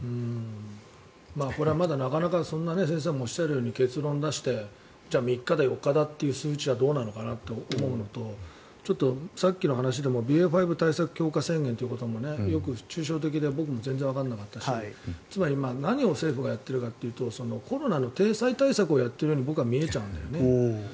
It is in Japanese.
これはまだなかなか先生もおっしゃるように結論を出して３日だ４日だという数値はどうかなと思うのとちょっとさっきの話でもＢＡ．５対策強化宣言というのも抽象的で僕も全然わからなかったしつまり、何を政府がやっているかというとコロナの体裁対策をやっているように見えるんだよね。